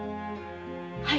はい。